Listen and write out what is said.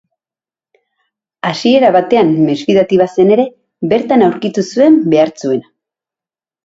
Hasiera batean mesfidati bazen ere, bertan aurkitu zuen behar zuena.